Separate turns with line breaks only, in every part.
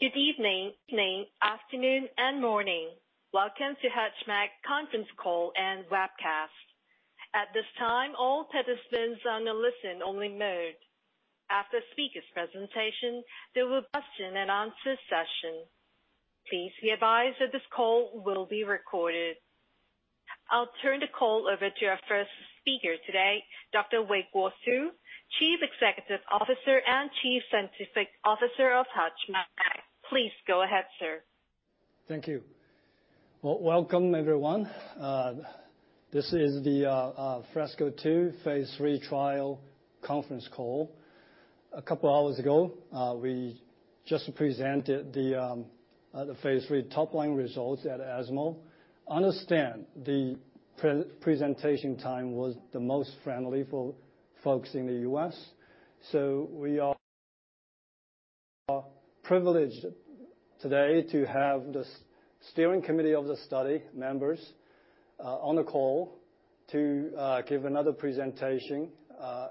Good evening, afternoon, and morning. Welcome to HUTCHMED conference call and webcast. At this time, all participants are in a listen-only mode. After speaker's presentation, there will be question and answer session. Please be advised that this call will be recorded. I'll turn the call over to our first speaker today, Dr. Weiguo Su, Chief Executive Officer and Chief Scientific Officer of HUTCHMED. Please go ahead, sir.
Thank you. Welcome everyone. This is the FRESCO-2 phase 3 trial conference call. A couple of hours ago, we just presented the phase 3 top line results at ESMO. Understand the pre-presentation time was the most friendly for folks in the U.S. We are privileged today to have the steering committee of the study members on the call to give another presentation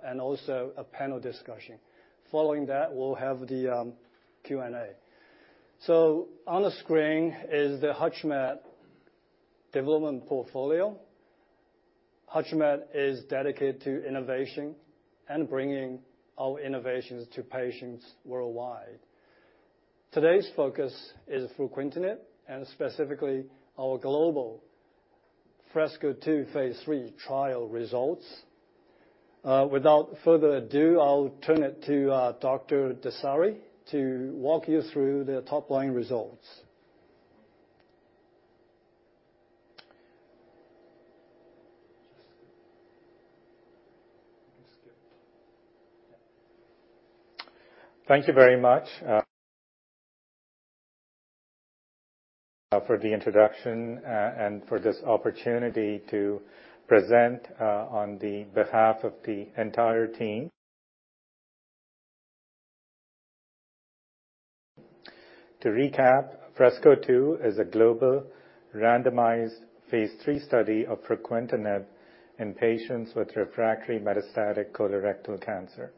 and also a panel discussion. Following that, we'll have the Q&A. On the screen is the HUTCHMED development portfolio. HUTCHMED is dedicated to innovation and bringing our innovations to patients worldwide. Today's focus is fruquintinib, and specifically our global FRESCO-2 phase 3 trial results. Without further ado, I'll turn it to Dr. Dasari to walk you through the top-line results.
Thank you very much for the introduction and for this opportunity to present on behalf of the entire team. To recap, FRESCO-2 is a global randomized phase 3 study of fruquintinib in patients with refractory metastatic colorectal cancer.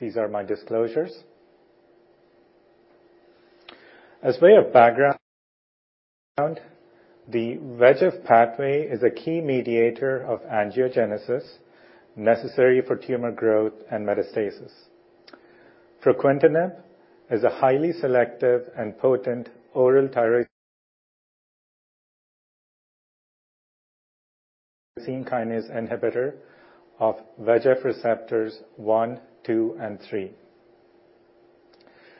These are my disclosures. By way of background, the VEGF pathway is a key mediator of angiogenesis necessary for tumor growth and metastasis. Fruquintinib is a highly selective and potent oral tyrosine kinase inhibitor of VEGF receptors one, two, and three.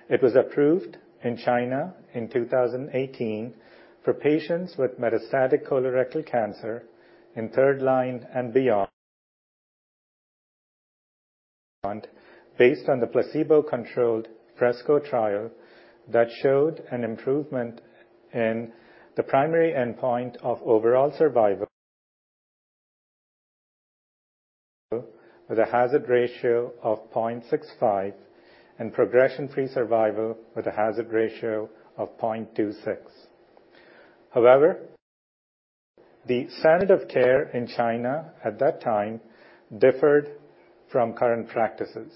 It was approved in China in 2018 for patients with metastatic colorectal cancer in third line and beyond based on the placebo-controlled FRESCO trial that showed an improvement in the primary endpoint of overall survival with a hazard ratio of 0.65 and progression-free survival with a hazard ratio of 0.26. However, the standard of care in China at that time differed from current practices.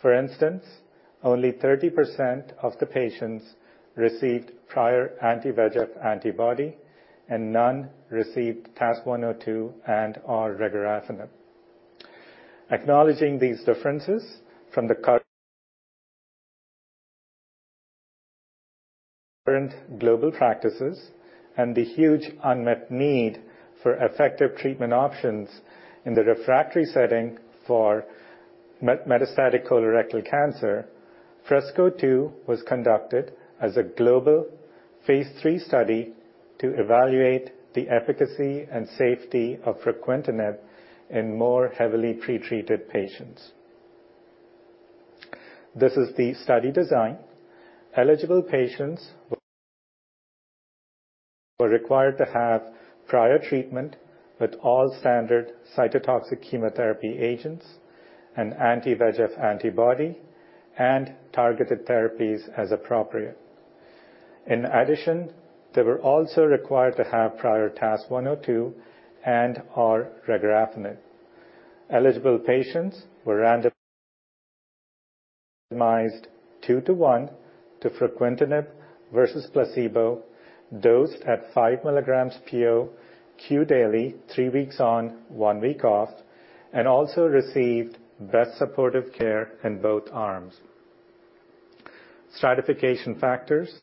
For instance, only 30% of the patients received prior anti-VEGF antibody, and none received TAS-102 and/or regorafenib. Acknowledging these differences from the current global practices and the huge unmet need for effective treatment options in the refractory setting for metastatic colorectal cancer, FRESCO-2 was conducted as a global phase III study to evaluate the efficacy and safety of fruquintinib in more heavily pretreated patients. This is the study design. Eligible patients were required to have prior treatment with all standard cytotoxic chemotherapy agents, an anti-VEGF antibody, and targeted therapies as appropriate. In addition, they were also required to have prior TAS-102 and/or regorafenib. Eligible patients were randomized two to one to fruquintinib versus placebo, dosed at 5 mg PO q daily, three weeks on, one week off, and also received best supportive care in both arms. Stratification factors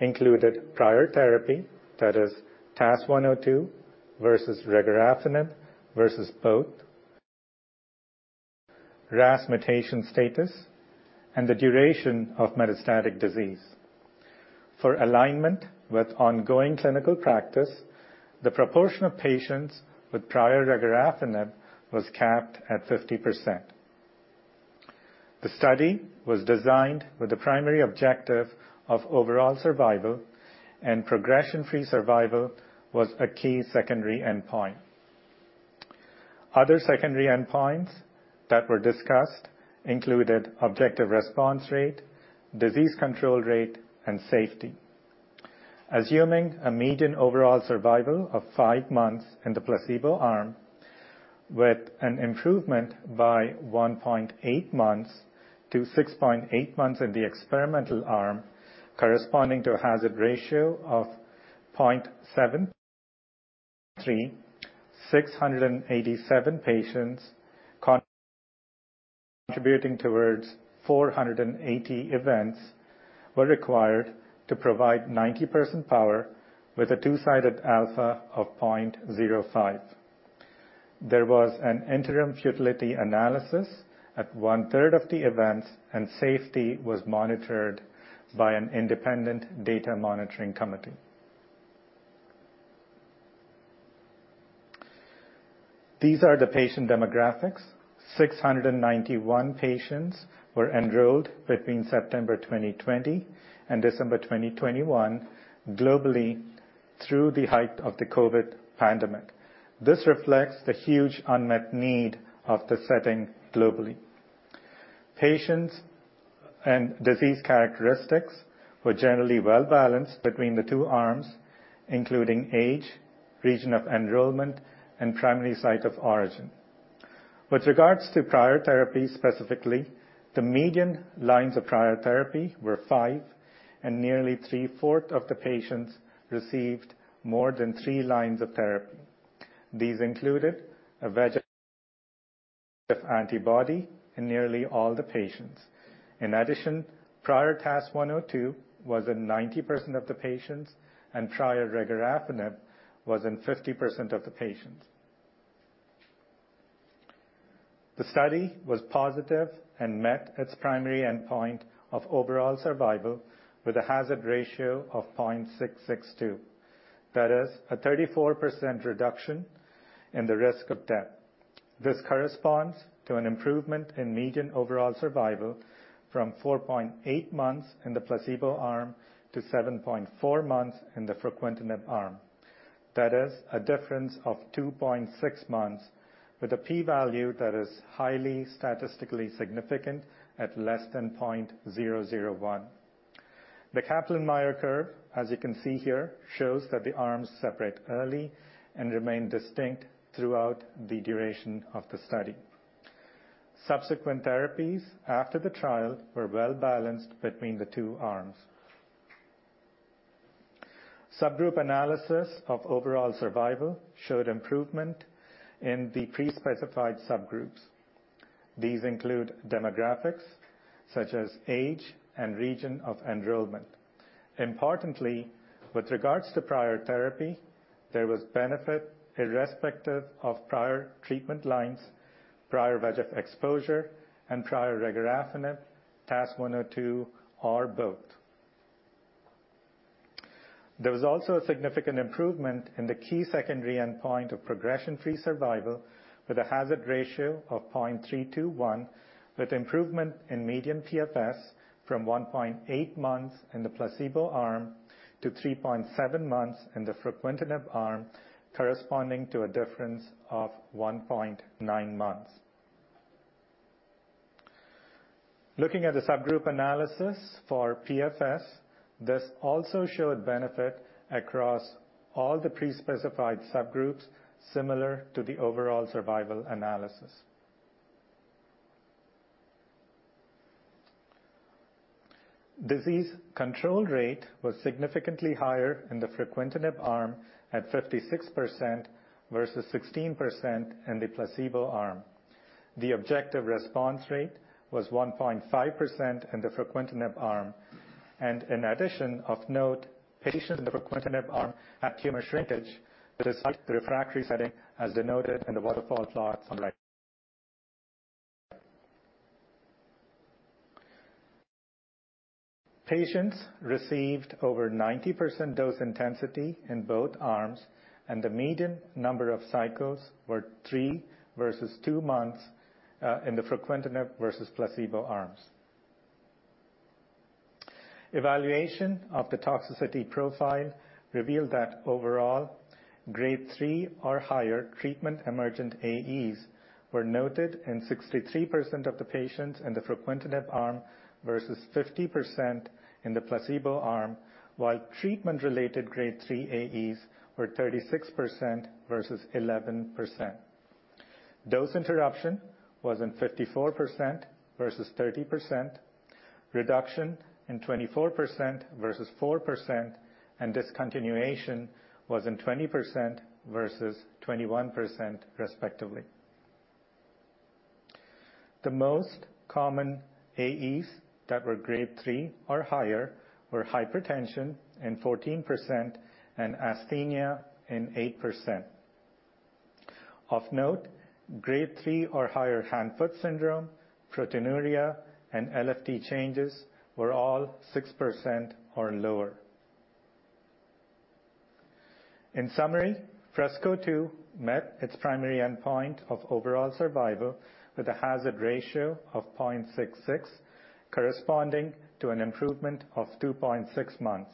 included prior therapy that is TAS-102 versus regorafenib versus both RAS mutation status and the duration of metastatic disease. For alignment with ongoing clinical practice, the proportion of patients with prior regorafenib was capped at 50%. The study was designed with the primary objective of overall survival, and progression-free survival was a key secondary endpoint. Other secondary endpoints that were discussed included objective response rate, disease control rate, and safety. Assuming a median overall survival of five months in the placebo arm, with an improvement by 1.8 months to 6.8 months in the experimental arm, corresponding to a hazard ratio of 0.73, 687 patients contributing towards 480 events were required to provide 90% power with a two-sided alpha of 0.05. There was an interim futility analysis at one-third of the events, and safety was monitored by an independent data monitoring committee. These are the patient demographics. 691 patients were enrolled between September 2020 and December 2021 globally through the height of the COVID pandemic. This reflects the huge unmet need of the setting globally. Patients and disease characteristics were generally well-balanced between the two arms, including age, region of enrollment, and primary site of origin. With regards to prior therapy specifically, the median lines of prior therapy were five, and nearly three-fourths of the patients received more than three lines of therapy. These included a VEGF antibody in nearly all the patients. In addition, prior TAS-102 was in 90% of the patients, and prior regorafenib was in 50% of the patients. The study was positive and met its primary endpoint of overall survival with a hazard ratio of 0.662. That is a 34% reduction in the risk of death. This corresponds to an improvement in median overall survival from 4.8 months in the placebo arm to 7.4 months in the fruquintinib arm. That is a difference of 2.6 months with a P value that is highly statistically significant at less than 0.001. The Kaplan-Meier curve, as you can see here, shows that the arms separate early and remain distinct throughout the duration of the study. Subsequent therapies after the trial were well-balanced between the two arms. Subgroup analysis of overall survival showed improvement in the pre-specified subgroups. These include demographics such as age and region of enrollment. Importantly, with regards to prior therapy, there was benefit irrespective of prior treatment lines, prior VEGF exposure, and prior regorafenib, TAS-102 or both. There was also a significant improvement in the key secondary endpoint of progression-free survival with a hazard ratio of 0.321, with improvement in median PFS from 1.8 months in the placebo arm to 3.7 months in the fruquintinib arm, corresponding to a difference of 1.9 months. Looking at the subgroup analysis for PFS, this also showed benefit across all the pre-specified subgroups similar to the overall survival analysis. Disease control rate was significantly higher in the fruquintinib arm at 56% versus 16% in the placebo arm. The objective response rate was 1.5% in the fruquintinib arm. In addition of note, patients in the fruquintinib arm had tumor shrinkage that is despite the refractory setting as denoted in the waterfall plot on the right. Patients received over 90% dose intensity in both arms, and the median number of cycles were three versus two months in the fruquintinib versus placebo arms. Evaluation of the toxicity profile revealed that overall, grade three or higher treatment-emergent AEs were noted in 63% of the patients in the fruquintinib arm versus 50% in the placebo arm, while treatment-related grade three AEs were 36% versus 11%. Dose interruption was in 54% versus 30%, reduction in 24% versus 4%, and discontinuation was in 20% versus 21%, respectively. The most common AEs that were grade three or higher were hypertension in 14% and asthenia in 8%. Of note, grade three or higher hand-foot syndrome, proteinuria, and LFT changes were all 6% or lower. In summary, FRESCO-2 met its primary endpoint of overall survival with a hazard ratio of 0.66, corresponding to an improvement of 2.6 months.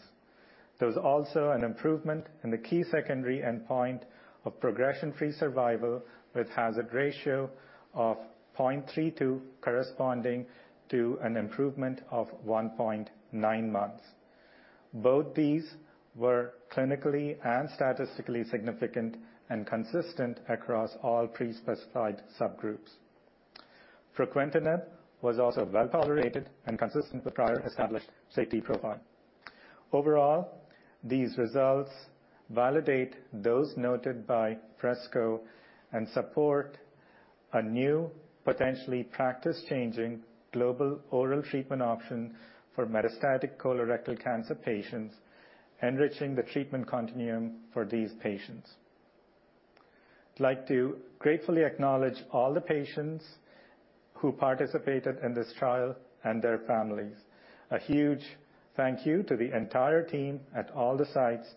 There was also an improvement in the key secondary endpoint of progression-free survival with hazard ratio of 0.32 corresponding to an improvement of 1.9 months. Both these were clinically and statistically significant and consistent across all pre-specified subgroups. Fruquintinib was also well-tolerated and consistent with prior established safety profile. Overall, these results validate those noted by FRESCO and support a new, potentially practice-changing global oral treatment option for metastatic colorectal cancer patients, enriching the treatment continuum for these patients. I'd like to gratefully acknowledge all the patients who participated in this trial and their families. A huge thank you to the entire team at all the sites,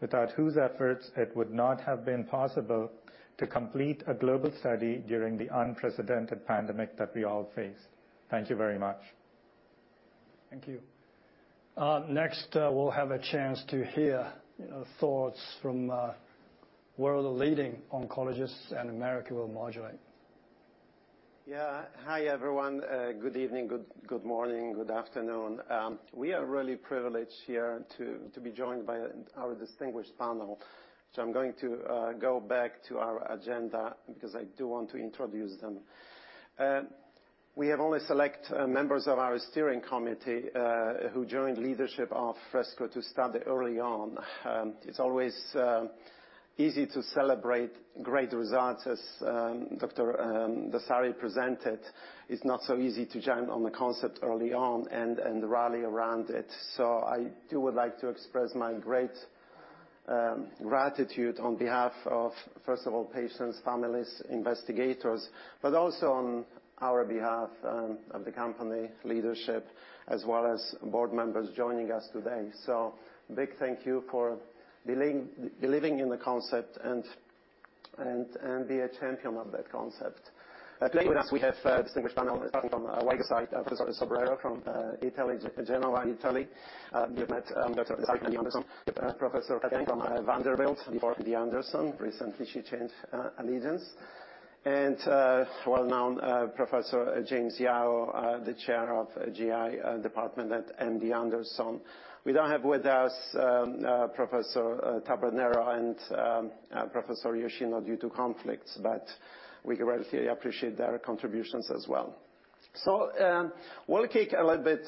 without whose efforts it would not have been possible to complete a global study during the unprecedented pandemic that we all face. Thank you very much.
Thank you. Next, we'll have a chance to hear thoughts from world-leading oncologists, and Marek will moderate.
Yeah. Hi, everyone. Good evening, good morning, good afternoon. We are really privileged here to be joined by our distinguished panel. I'm going to go back to our agenda because I do want to introduce them. We have only select members of our steering committee who joined leadership of the FRESCO study early on. It's always easy to celebrate great results, as Dr. Dasari presented. It's not so easy to join on the concept early on and rally around it. I would like to express my great gratitude on behalf of, first of all, patients, families, investigators, but also on our behalf of the company leadership, as well as board members joining us today. Big thank you for believing in the concept and being a champion of that concept. With us, we have a distinguished panel starting from the left side, Professor Sobrero from Italy, Genoa, in Italy. We've met Dr. Cathy Eng, Professor Ng from Vanderbilt before MD Anderson. Recently, she changed allegiance. Well-known Professor James Yao, the chair of GI department at MD Anderson. We don't have with us Professor Tabernero and Professor Yoshino due to conflicts, but we greatly appreciate their contributions as well. We'll take a little bit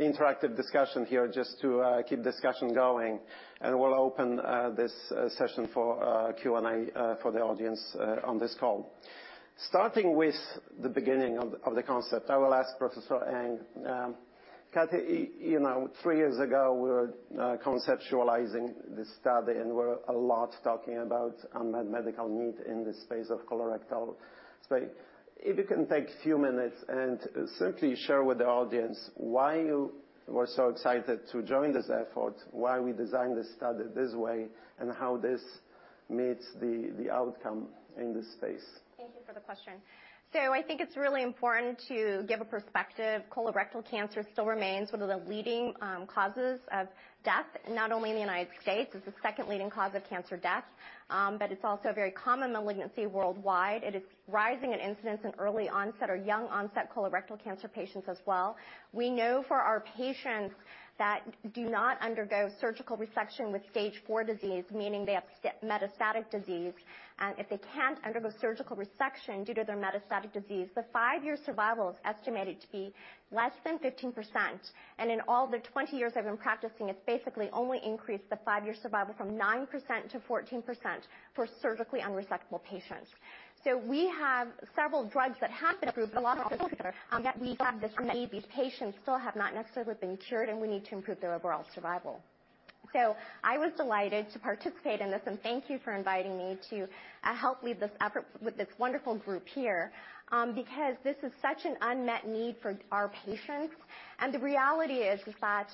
interactive discussion here just to keep discussion going, and we'll open this session for Q&A for the audience on this call. Starting with the beginning of the concept, I will ask Professor Eng, Cathy, you know, three years ago, we were conceptualizing this study, and we were talking a lot about unmet medical need in this space of colorectal space. If you can take a few minutes and simply share with the audience why you were so excited to join this effort, why we designed this study this way, and how this meets the outcome in this space.
Thank you for the question. I think it's really important to give a perspective. Colorectal cancer still remains one of the leading, causes of death, not only in the United States. It's the second leading cause of cancer death, but it's also a very common malignancy worldwide. It is rising in incidence in early onset or young onset colorectal cancer patients as well. We know for our patients that do not undergo surgical resection with stage four disease, meaning they have metastatic disease, and if they can't undergo surgical resection due to their metastatic disease, the five-year survival is estimated to be less than 15%. In all the 20 years I've been practicing, it's basically only increased the five-year survival from 9% to 14% for surgically unresectable patients. We have several drugs that have been approved, but a lot of these patients still have not necessarily been cured, and we need to improve their overall survival. I was delighted to participate in this, and thank you for inviting me to help lead this effort with this wonderful group here, because this is such an unmet need for our patients. The reality is that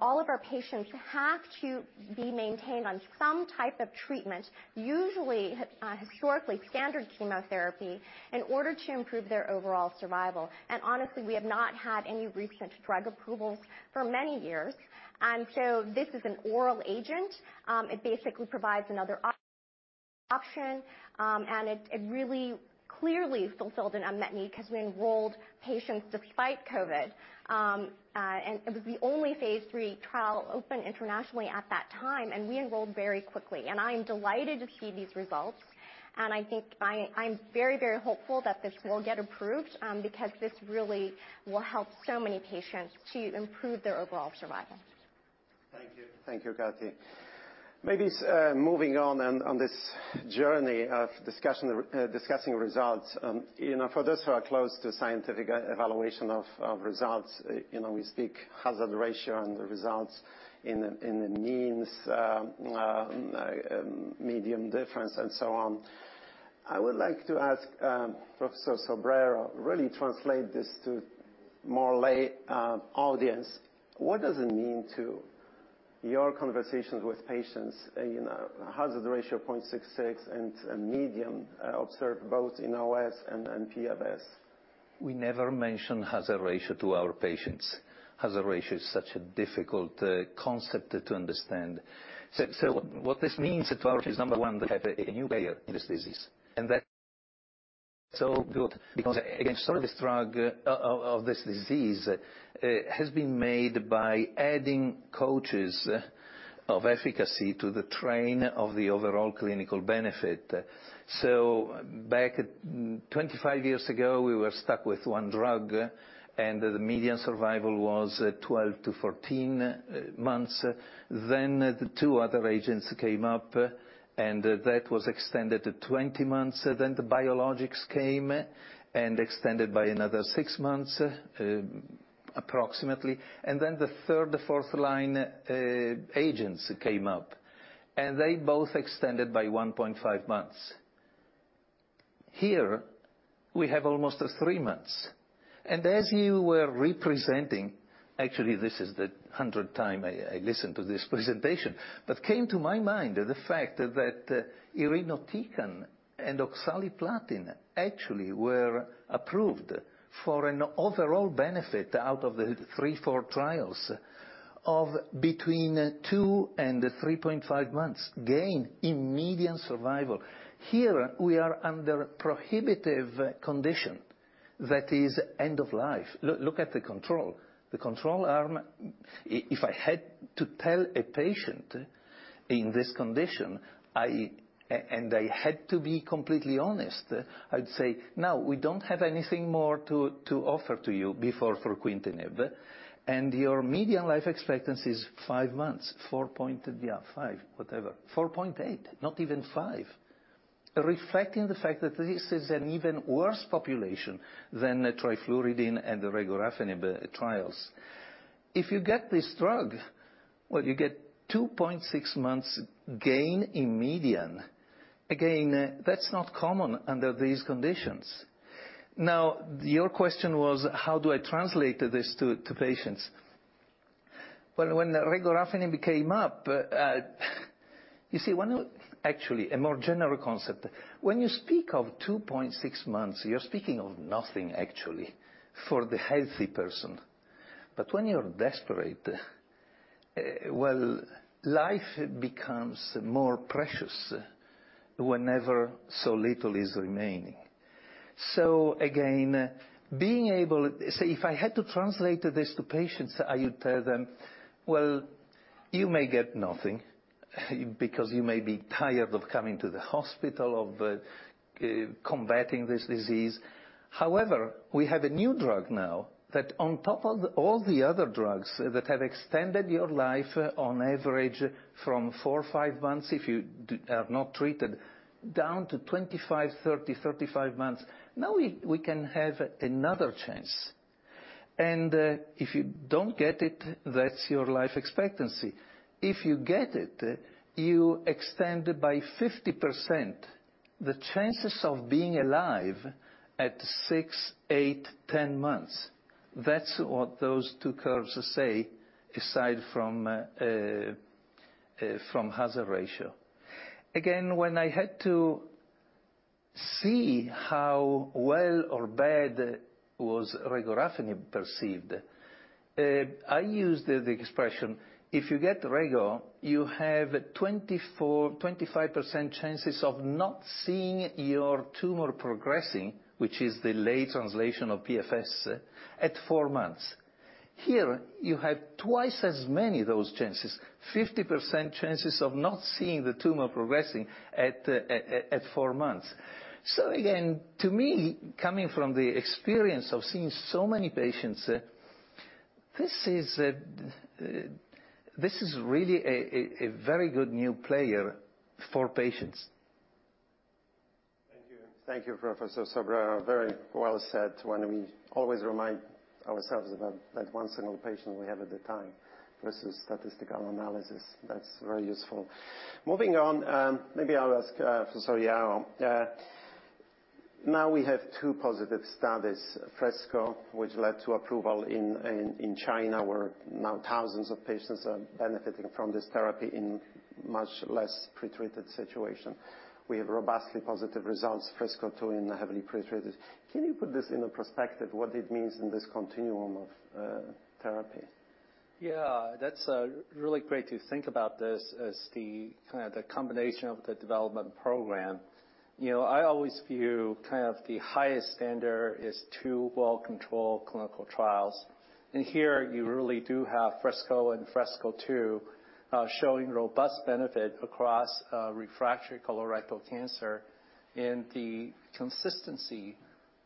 all of our patients have to be maintained on some type of treatment, usually historically standard chemotherapy, in order to improve their overall survival. Honestly, we have not had any recent drug approvals for many years. This is an oral agent. It basically provides another option, and it really clearly fulfilled an unmet need 'cause we enrolled patients despite COVID. It was the only phase three trial open internationally at that time, and we enrolled very quickly. I am delighted to see these results, and I think I'm very, very hopeful that this will get approved, because this really will help so many patients to improve their overall survival.
Thank you. Thank you, Cathy. Maybe moving on this journey of discussion, discussing results, you know, for those who are close to scientific evaluation of results, you know, we speak hazard ratio and the results in the means, median difference and so on. I would like to ask Professor Sobrero really translate this to more lay audience. What does it mean to your conversations with patients, you know, hazard ratio 0.66 and a median observed both in OS and in PFS?
We never mention hazard ratio to our patients. Hazard ratio is such a difficult concept to understand. What this means to our patients, number one, they have a new barrier in this disease, and that good, because again, some of the progress in the treatment of this disease has been made by adding doses of efficacy to the treatment of the overall clinical benefit. Back 25 years ago, we were stuck with one drug, and the median survival was 12-14 months. The two other agents came up, and that was extended to 20 months. The biologics came and extended by another six months, approximately. The third to fourth line agents came up, and they both extended by 1.5 months. Here we have almost three months. As you were representing, actually this is the 100th time I listened to this presentation, but came to my mind the fact that irinotecan and oxaliplatin actually were approved for an overall benefit out of the three to four trials of between two and 3.5 months gain in median survival. Here we are under prohibitive condition that is end of life. Look at the control. The control arm, if I had to tell a patient in this condition, and I had to be completely honest, I'd say, "Now, we don't have anything more to offer to you before fruquintinib, and your median life expectancy is five months, 4.8, not even five." Reflecting the fact that this is an even worse population than the trifluridine and the regorafenib trials. If you get this drug, well, you get 2.6 months gain in median. Again, that's not common under these conditions. Now, your question was, how do I translate this to patients? Well, when the regorafenib came up. Actually, a more general concept. When you speak of 2.6 months, you're speaking of nothing actually for the healthy person. When you're desperate, well, life becomes more precious whenever so little is remaining. Again, say, if I had to translate this to patients, I would tell them, "Well, you may get nothing because you may be tired of coming to the hospital, of combating this disease. However, we have a new drug now that on top of all the other drugs that have extended your life on average from four or five months, if you are not treated, down to 25, 30, 35 months, now we can have another chance. If you don't get it, that's your life expectancy. If you get it, you extend by 50% the chances of being alive at six, eight, 10 months. That's what those two curves say, aside from hazard ratio. Again, when I had to see how well or bad was regorafenib perceived, I used the expression, if you get rego, you have 24, 25% chances of not seeing your tumor progressing, which is the lay translation of PFS at four months. Here, you have twice as many those chances, 50% chances of not seeing the tumor progressing at four months. Again, to me, coming from the experience of seeing so many patients, this is really a very good new player for patients.
Thank you. Thank you, Professor Sobrero. Very well said. When we always remind ourselves about that one single patient we have at the time versus statistical analysis, that's very useful. Moving on, maybe I'll ask, Professor Yao. Now we have two positive studies, FRESCO, which led to approval in China, where now thousands of patients are benefiting from this therapy in much less pre-treated situation. We have robustly positive results, FRESCO-2 in the heavily pre-treated. Can you put this into perspective, what it means in this continuum of therapy?
Yeah. That's really great to think about this as the kinda the combination of the development program. You know, I always view kind of the highest standard is two well-controlled clinical trials. Here you really do have FRESCO and FRESCO-2 showing robust benefit across refractory colorectal cancer and the consistency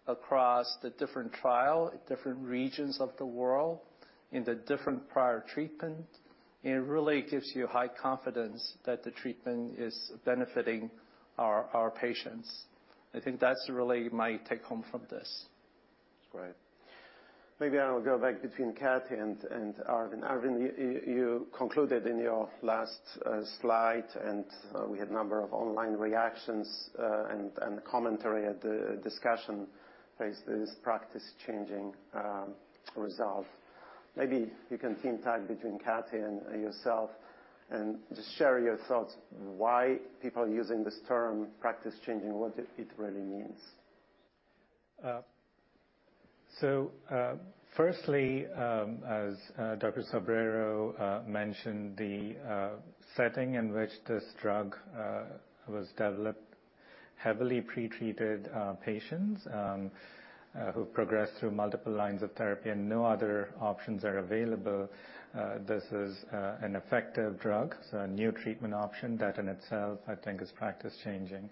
across the different trial, different regions of the world, in the different prior treatment. It really gives you high confidence that the treatment is benefiting our patients. I think that's really my take-home from this.
That's great. Maybe I will go back between Cathy Eng and Arvind Dasari. Arvind Dasari, you concluded in your last slide, and we had number of online reactions, and commentary at the discussion phase, this practice-changing result. Maybe you can tag team between Cathy Eng and yourself and just share your thoughts why people are using this term practice-changing, what it really means.
First, as Dr. Sobrero mentioned, the setting in which this drug was developed, heavily pretreated patients who progressed through multiple lines of therapy and no other options are available, this is an effective drug. A new treatment option that in itself I think is practice changing.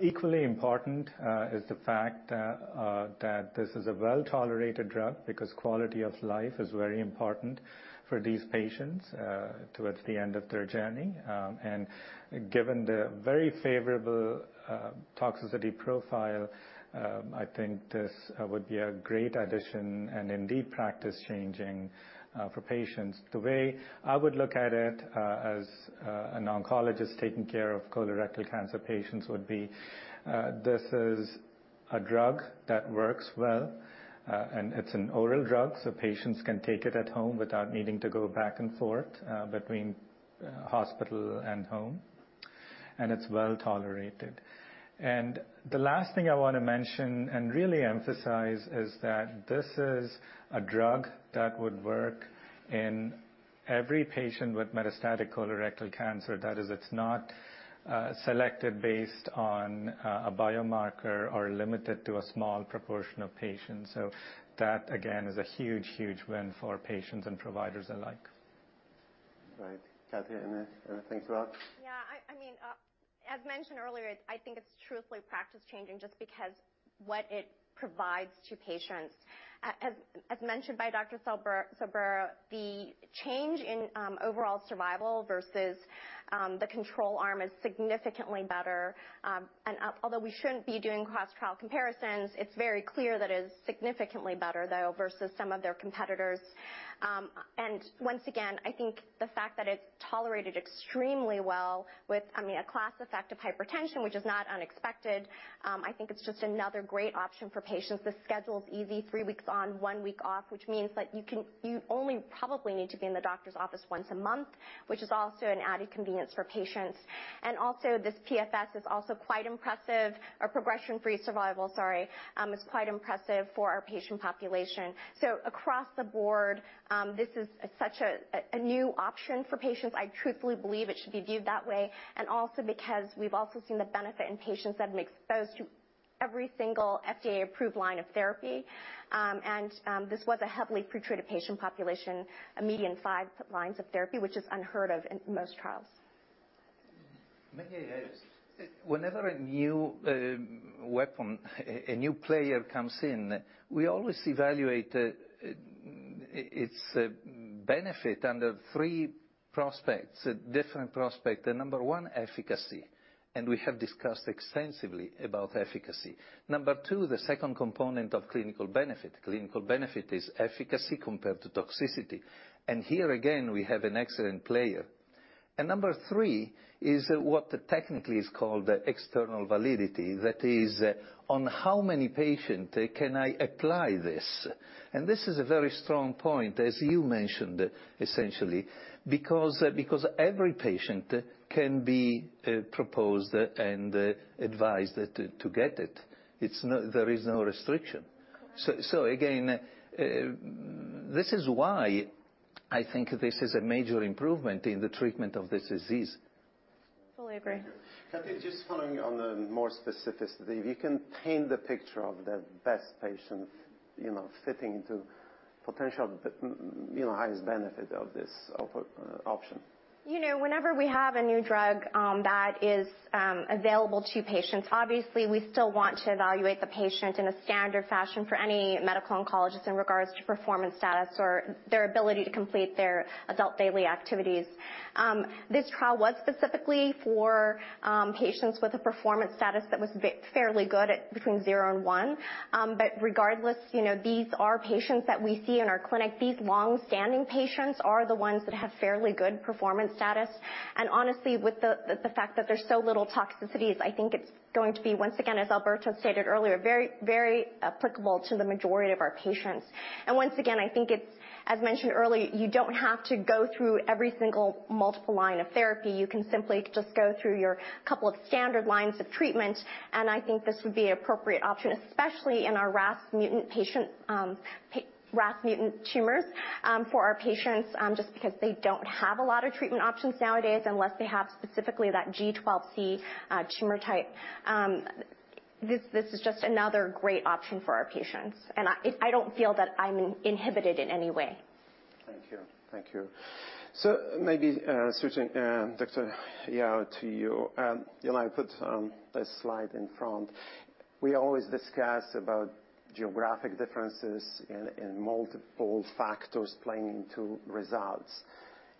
Equally important is the fact that this is a well-tolerated drug because quality of life is very important for these patients towards the end of their journey. Given the very favorable toxicity profile, I think this would be a great addition and indeed practice changing for patients. The way I would look at it, as an oncologist taking care of colorectal cancer patients would be, this is a drug that works well, and it's an oral drug, so patients can take it at home without needing to go back and forth between hospital and home, and it's well-tolerated. The last thing I wanna mention and really emphasize is that this is a drug that would work in every patient with metastatic colorectal cancer. That is, it's not selected based on a biomarker or limited to a small proportion of patients. That, again, is a huge, huge win for patients and providers alike.
Right. Cathy, anything to add?
I mean, as mentioned earlier, I think it's truthfully practice changing just because what it provides to patients. As mentioned by Dr. Sobrero, the change in overall survival versus the control arm is significantly better. Although we shouldn't be doing cross-trial comparisons, it's very clear that it is significantly better though versus some of their competitors. Once again, I think the fact that it's tolerated extremely well with, I mean, a class-effective hypertension, which is not unexpected, I think it's just another great option for patients. The schedule's easy, three weeks on, one week off, which means that you only probably need to be in the doctor's office once a month, which is also an added convenience for patients. This PFS is also quite impressive or progression-free survival, sorry, is quite impressive for our patient population. Across the board, this is such a new option for patients. I truthfully believe it should be viewed that way, and also because we've also seen the benefit in patients that have been exposed to every single FDA-approved line of therapy. This was a heavily pretreated patient population, a median five lines of therapy, which is unheard of in most trials.
Maybe, whenever a new weapon, a new player comes in, we always evaluate its benefit under three different prospects. Number one, efficacy, and we have discussed extensively about efficacy. Number two, the second component of clinical benefit. Clinical benefit is efficacy compared to toxicity. Here again, we have an excellent player. Number three is what technically is called external validity. That is, on how many patient can I apply this? This is a very strong point, as you mentioned, essentially, because every patient can be proposed and advised to get it. There is no restriction.
Correct.
Again, this is why I think this is a major improvement in the treatment of this disease.
Fully agree.
Cathy, just following on the more specifics, if you can paint the picture of the best patient, you know, fitting into potential, you know, highest benefit of this option.
You know, whenever we have a new drug, that is, available to patients, obviously, we still want to evaluate the patient in a standard fashion for any medical oncologist in regards to performance status or their ability to complete their adult daily activities. This trial was specifically for patients with a performance status that was fairly good at between zero and one. Regardless, you know, these are patients that we see in our clinic. These long-standing patients are the ones that have fairly good performance status. Honestly, with the fact that there's so little toxicities, I think it's going to be, once again, as Alberto stated earlier, very, very applicable to the majority of our patients. Once again, I think it's, as mentioned earlier, you don't have to go through every single multiple line of therapy. You can simply just go through your couple of standard lines of treatment, and I think this would be an appropriate option, especially in our RAS mutant patient, RAS mutant tumors, for our patients, just because they don't have a lot of treatment options nowadays unless they have specifically that G12C tumor type. This is just another great option for our patients, and I don't feel that I'm inhibited in any way.
Thank you. Maybe switching, Dr. Yao to you. You know, I put a slide in front. We always discuss about geographic differences in multiple factors playing into results.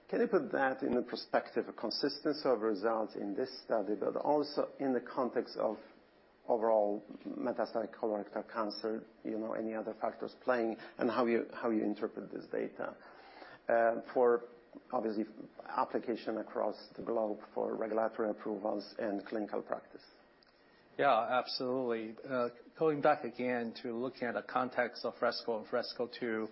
Can you put that in a perspective of consistency of results in this study, but also in the context of overall metastatic colorectal cancer, you know, any other factors playing and how you interpret this data, for obviously application across the globe for regulatory approvals and clinical practice?
Yeah, absolutely. Going back again to looking at the context of FRESCO and FRESCO-2,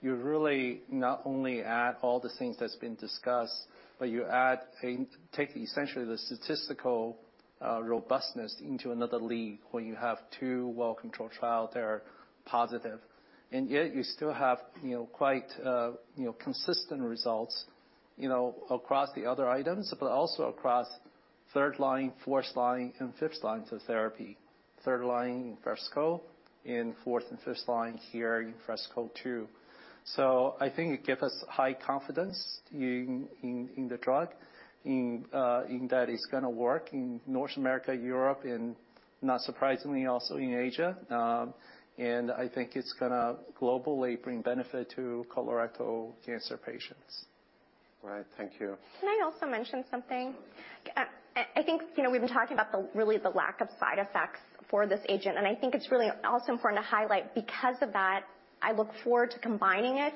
you really not only add all the things that's been discussed, but you take essentially the statistical robustness into another league where you have two well-controlled trial that are positive, and yet you still have, you know, quite, you know, consistent results. You know, across the other items, but also across third line, fourth line, and fifth line to therapy. Third line in FRESCO, in fourth and fifth line here in FRESCO too. I think it give us high confidence in the drug, in that it's gonna work in North America, Europe, and not surprisingly, also in Asia. I think it's gonna globally bring benefit to colorectal cancer patients.
Right. Thank you.
Can I also mention something? I think, you know, we've been talking about really, the lack of side effects for this agent, and I think it's really also important to highlight because of that. I look forward to combining it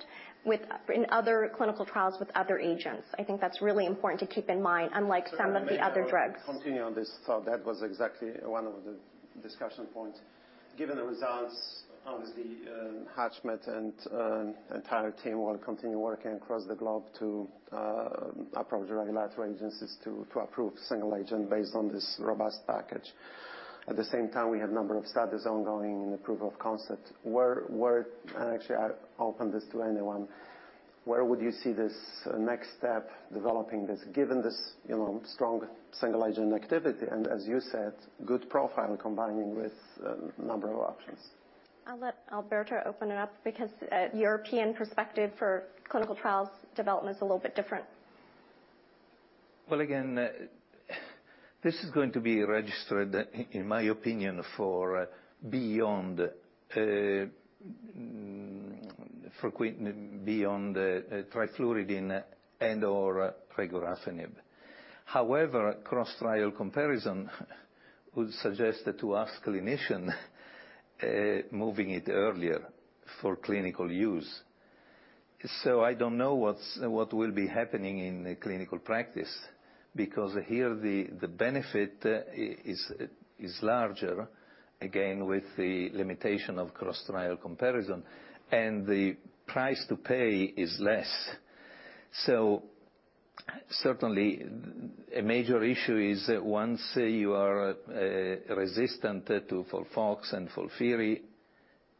in other clinical trials with other agents. I think that's really important to keep in mind, unlike some of the other drugs.
Continue on this thought. That was exactly one of the discussion points. Given the results, obviously, Hashmat and entire team will continue working across the globe to approach the regulatory agencies to approve single agent based on this robust package. At the same time, we have number of studies ongoing in the proof of concept. Actually I open this to anyone. Where would you see this next step developing this, given this, you know, strong single agent activity and as you said, good profile combining with a number of options?
I'll let Alberto open it up because European perspective for clinical trials development is a little bit different.
Well, again, this is going to be registered, in my opinion, for beyond refractory beyond trifluridine and/or regorafenib. However, cross trial comparison would suggest to ask clinician moving it earlier for clinical use. I don't know what will be happening in the clinical practice because here the benefit is larger, again, with the limitation of cross trial comparison, and the price to pay is less. Certainly a major issue is once you are resistant to FOLFOX and FOLFIRI,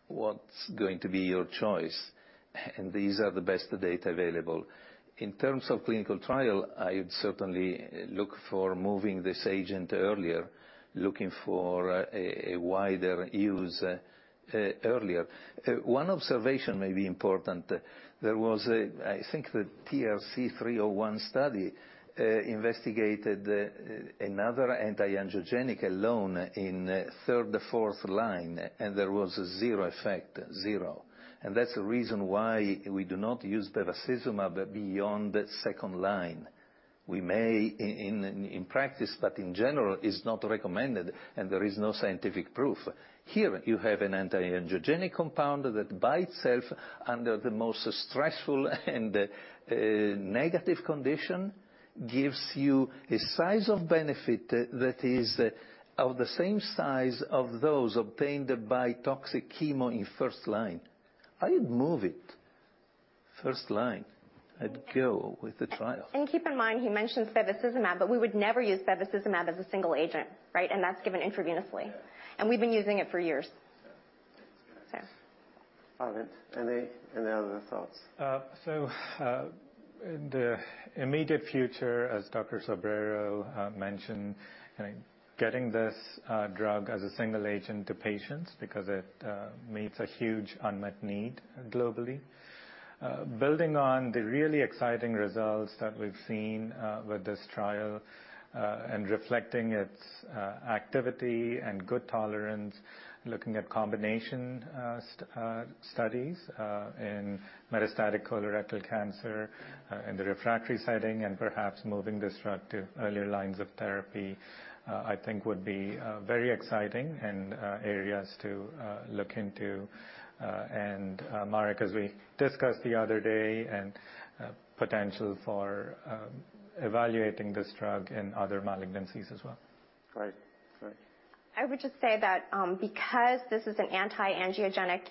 what's going to be your choice? These are the best data available. In terms of clinical trial, I would certainly look for moving this agent earlier, looking for a wider use earlier. One observation may be important. There was, I think the TRC-0301 study investigated another anti-angiogenic alone in third or fourth line, and there was zero effect. That's the reason why we do not use bevacizumab beyond second line. We may in practice, but in general it's not recommended and there is no scientific proof. Here you have an anti-angiogenic compound that by itself, under the most stressful and negative condition, gives you a size of benefit that is of the same size of those obtained by toxic chemo in first line. I'd move it first line. I'd go with the trial.
Keep in mind, he mentioned bevacizumab, but we would never use bevacizumab as a single agent, right? That's given intravenously.
Yeah.
We've been using it for years.
Yeah.
Yeah.
Amit, any other thoughts?
The immediate future, as Dr. Sobrero mentioned, getting this drug as a single agent to patients because it meets a huge unmet need globally. Building on the really exciting results that we've seen with this trial and reflecting its activity and good tolerance, looking at combination studies in metastatic colorectal cancer in the refractory setting, and perhaps moving this drug to earlier lines of therapy, I think would be very exciting and areas to look into. Marek, as we discussed the other day, and potential for evaluating this drug in other malignancies as well.
Great. Great.
I would just say that because this is an anti-angiogenic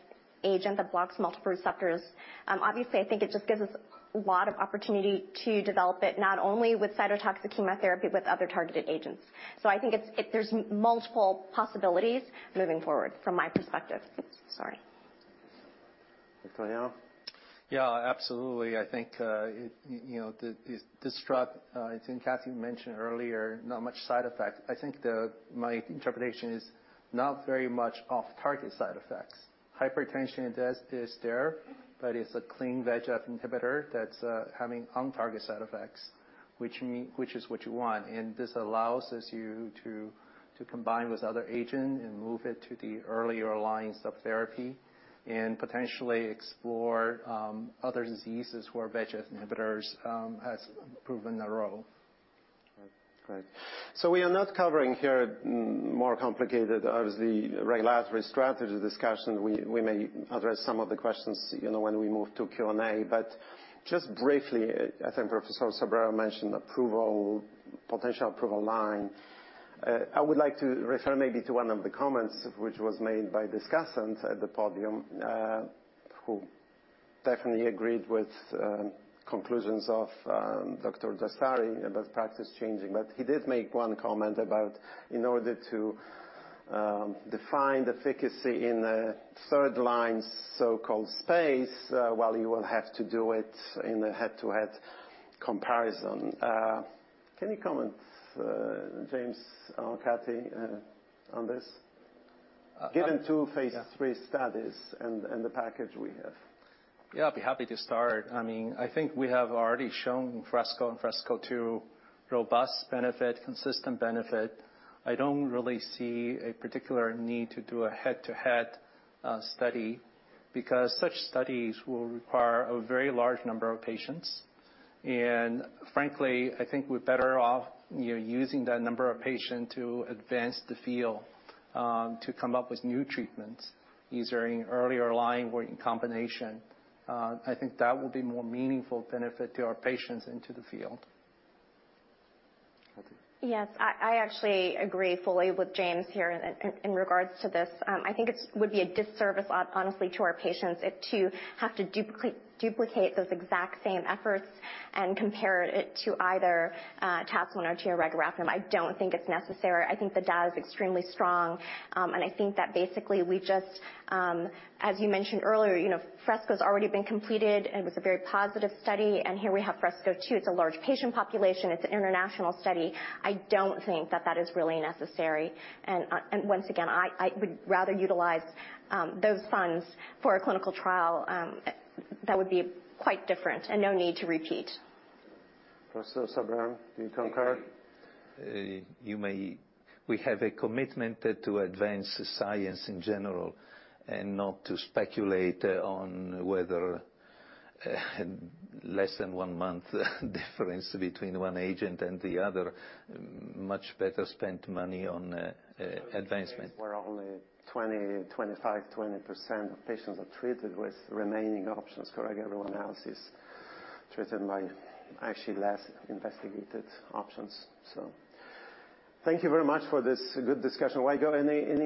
agent that blocks multiple receptors, obviously, I think it just gives us a lot of opportunity to develop it not only with cytotoxic chemotherapy, but with other targeted agents. I think there's multiple possibilities moving forward from my perspective. Sorry.
Riccardo?
Yeah, absolutely. I think you know this drug. I think Cathy mentioned earlier, not much side effects. I think my interpretation is not very much off target side effects. Hypertension, it does, is there, but it's a clean VEGF inhibitor that's having on target side effects, which is what you want. This allows us to combine with other agent and move it to the earlier lines of therapy and potentially explore other diseases where VEGF inhibitors has proven a role.
Right. We are not covering here more complicated, obviously, regulatory strategy discussion. We may address some of the questions, you know, when we move to Q&A. Just briefly, I think Professor Sobrero mentioned approval, potential approval line. I would like to refer maybe to one of the comments which was made by discussant at the podium, who definitely agreed with conclusions of Dr. Dasari about practice changing, but he did make one comment about in order to define the efficacy in the third line so-called space, while you will have to do it in a head-to-head comparison. Any comments, James or Cathy, on this? Given two phase 3 studies and the package we have.
Yeah, I'd be happy to start. I mean, I think we have already shown FRESCO and FRESCO-2 robust benefit, consistent benefit. I don't really see a particular need to do a head-to-head study because such studies will require a very large number of patients. Frankly, I think we're better off, you know, using that number of patient to advance the field, to come up with new treatments, either in earlier line or in combination. I think that will be more meaningful benefit to our patients into the field.
Okay.
Yes. I actually agree fully with James here in regards to this. I think it would be a disservice, honestly, to our patients if we have to duplicate those exact same efforts and compare it to either TAS-102 or regorafenib. I don't think it's necessary. I think the data is extremely strong, and I think that basically we just, as you mentioned earlier, you know, FRESCO's already been completed, and it was a very positive study, and here we have FRESCO-2. It's a large patient population. It's an international study. I don't think that is really necessary. Once again, I would rather utilize those funds for a clinical trial that would be quite different and no need to repeat.
Professor Sobrero, do you concur?
We have a commitment to advance the science in general and not to speculate on whether less than one month difference between one agent and the other. Much better spent money on advancement.
Where only 20-25% of patients are treated with remaining options. Correct? Everyone else is treated by actually less investigated options. Thank you very much for this good discussion. Weiguo,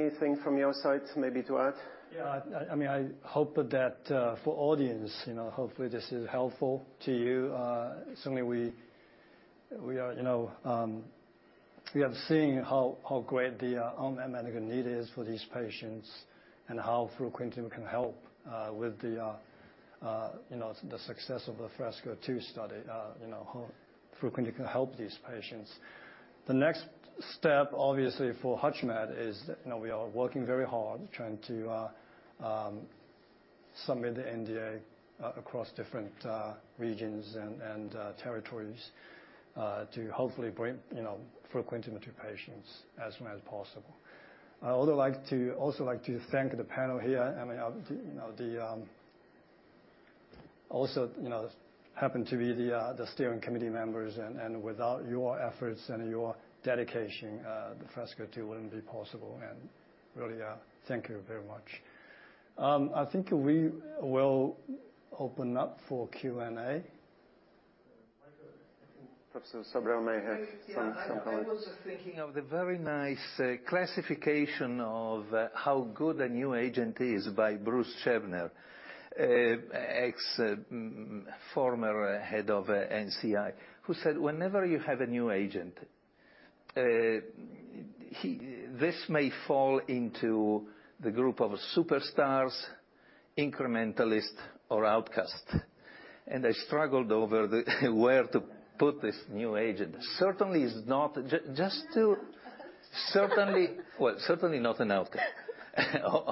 anything from your side maybe to add?
Yeah. I mean, I hope that for audience, you know, hopefully this is helpful to you. Certainly, we are, you know, we have seen how great the medical need is for these patients and how fruquintinib can help, you know, with the success of the FRESCO-2 study, you know, how fruquintinib can help these patients. The next step, obviously, for HUTCHMED is, you know, we are working very hard trying to submit the NDA across different regions and territories to hopefully bring, you know, fruquintinib to patients as soon as possible. I would like to also thank the panel here. I mean, you know, they also happen to be the steering committee members, and without your efforts and your dedication, the FRESCO-2 wouldn't be possible, and really, thank you very much. I think we will open up for Q&A.
Professor Sobrero may have some comments.
I was just thinking of the very nice classification of how good a new agent is by Bruce Chabner, former head of NCI, who said whenever you have a new agent, this may fall into the group of superstars, incrementalist or outcast. I struggled over where to put this new agent. Certainly not an outcast.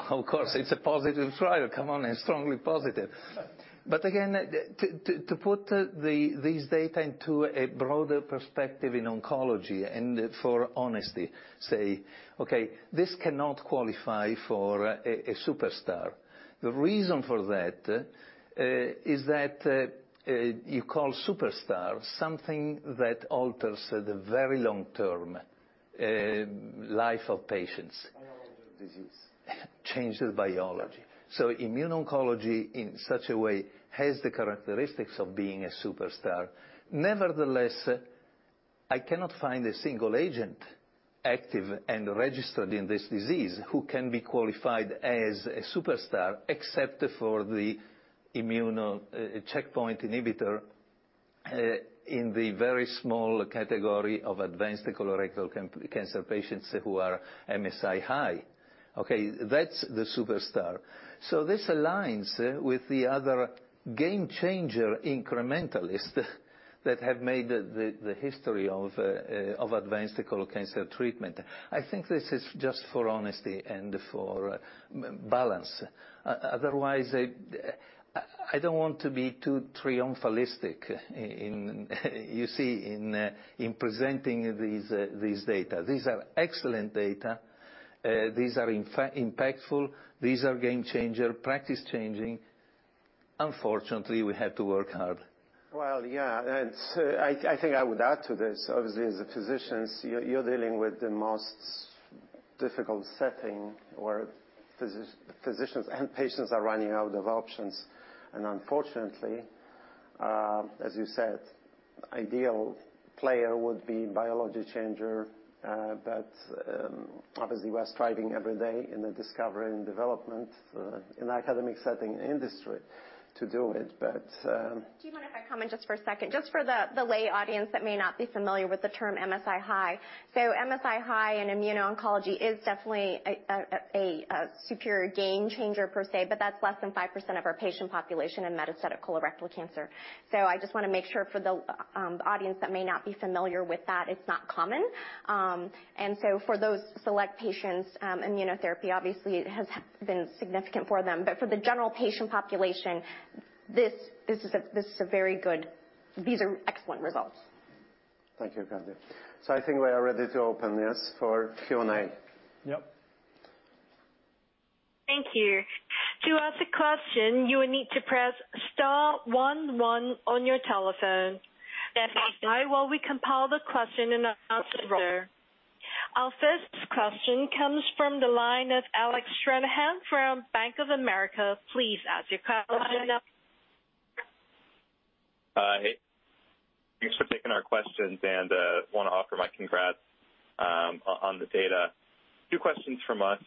Of course, it's a positive trial. Come on, it's strongly positive. Again, to put these data into a broader perspective in oncology and for honesty, say, "Okay, this cannot qualify for a superstar." The reason for that is that you call superstar something that alters the very long-term life of patients.
Biology of disease.
Change the biology. Immune oncology in such a way has the characteristics of being a superstar. Nevertheless, I cannot find a single agent active and registered in this disease who can be qualified as a superstar, except for the immuno checkpoint inhibitor in the very small category of advanced colorectal cancer patients who are MSI-H. Okay, that's the superstar. This aligns with the other game changer incrementalist that have made the history of advanced colorectal cancer treatment. I think this is just for honesty and for balance. Otherwise, I don't want to be too triumphalistic in presenting these data. These are excellent data. These are, in fact, impactful. These are game changer, practice changing. Unfortunately, we have to work hard.
Well, yeah. I think I would add to this. Obviously, as physicians, you're dealing with the most difficult setting where physicians and patients are running out of options. Unfortunately, as you said, ideal player would be biology changer that obviously we are striving every day in the discovery and development in academic setting industry to do it. But.
Do you mind if I come in just for a second? Just for the lay audience that may not be familiar with the term MSI-H. MSI-H in immuno-oncology is definitely a superior game changer per se, but that's less than 5% of our patient population in metastatic colorectal cancer. I just wanna make sure for the audience that may not be familiar with that, it's not common. For those select patients, immunotherapy obviously has been significant for them. For the general patient population, these are excellent results.
Thank you, Cathy. I think we are ready to open, yes, for Q&A.
Yep.
Thank you. To ask a question, you will need to press star one one on your telephone. That's after I will compile the question and answer. Our first question comes from the line of Alec Stranahan from Bank of America. Please ask your question.
Hi. Thanks for taking our questions and wanna offer my congrats on the data. Few questions from us.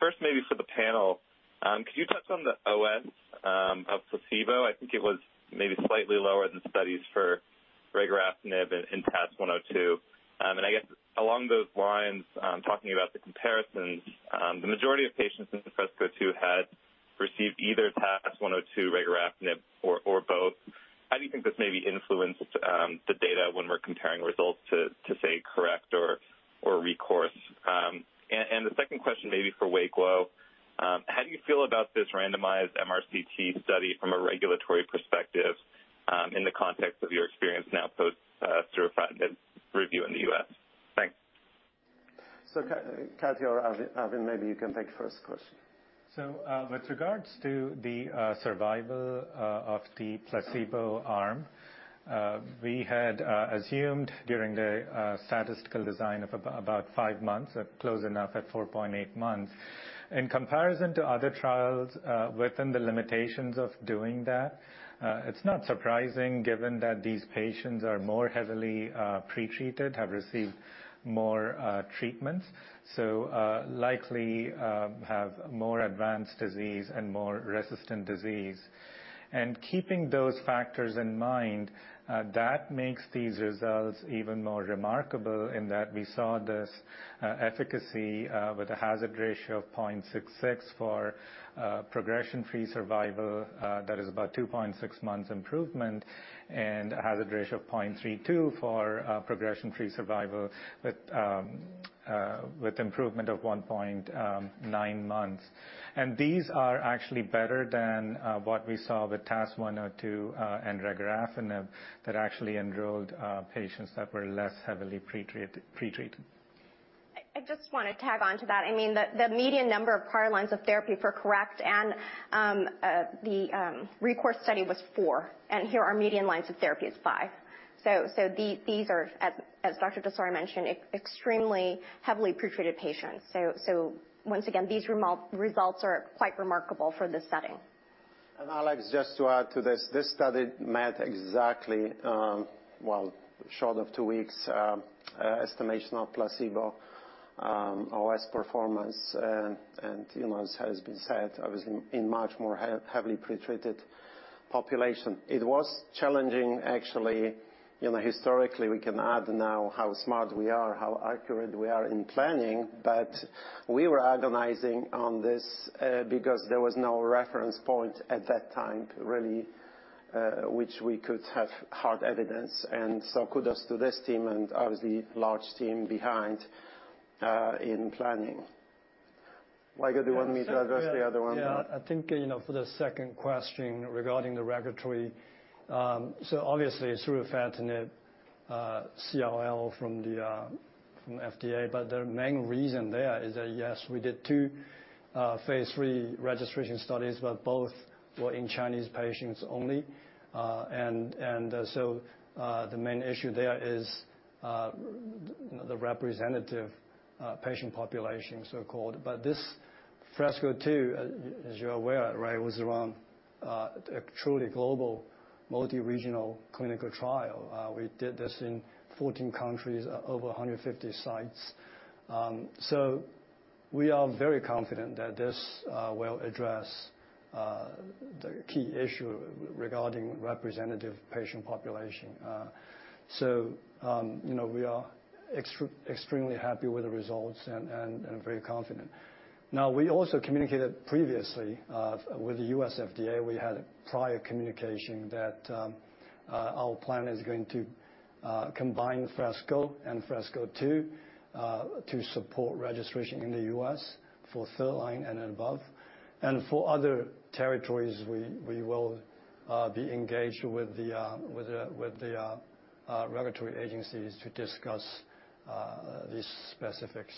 First maybe for the panel, could you touch on the OS of placebo? I think it was maybe slightly lower than studies for regorafenib in TAS-102. I guess along those lines, talking about the comparisons, the majority of patients in FRESCO-2 had received either TAS-102 regorafenib or both. How do you think this maybe influenced the data when we're comparing results to say CORRECT or RECOURSE? The second question may be for Weiguo. How do you feel about this randomized MRCT study from a regulatory perspective in the context of your experience now post thorough review in the US? Thanks.
Cathy or Arvind, maybe you can take first question.
With regards to the survival of the placebo arm, we had assumed during the statistical design of about five months, close enough at 4.8 months. In comparison to other trials, within the limitations of doing that, it's not surprising given that these patients are more heavily pre-treated, have received more treatments, likely have more advanced disease and more resistant disease. Keeping those factors in mind, that makes these results even more remarkable in that we saw this efficacy with a hazard ratio of 0.66 for progression-free survival, that is about 2.6 months improvement, and a hazard ratio of 0.32 for progression-free survival with improvement of 1.9 months. These are actually better than what we saw with TAS-102 and regorafenib that actually enrolled patients that were less heavily pretreated.
I just wanna tack on to that. I mean, the median number of prior lines of therapy for CORRECT and the RECOURSE study was four, and here our median lines of therapy is five. These are, as Dr. Dasari mentioned, extremely heavily pretreated patients. Once again, these results are quite remarkable for this setting.
Alec, just to add to this study met exactly, well, short of two weeks estimation of placebo OS performance, and, you know, as has been said, obviously in much more heavily pretreated population. It was challenging actually, you know, historically, we can add now how smart we are, how accurate we are in planning, but we were agonizing on this, because there was no reference point at that time, really, which we could have hard evidence. Kudos to this team and obviously large team behind in planning. Weiguo, do you want me to address the other one?
Yeah. I think, you know, for the second question regarding the regulatory, so obviously surufatinib, CRL from the FDA. The main reason there is that, yes, we did 2 phase 3 registration studies, but both were in Chinese patients only. The main issue there is the representative patient population, so-called. This FRESCO-2, as you're aware, right, was a truly global multi-regional clinical trial. We did this in 14 countries, over 150 sites. We are very confident that this will address the key issue regarding representative patient population. You know, we are extremely happy with the results and very confident. Now, we also communicated previously with the U.S. FDA. We had prior communication that our plan is going to combine FRESCO and FRESCO-2 to support registration in the U.S. for third line and above. For other territories, we will be engaged with the regulatory agencies to discuss these specifics.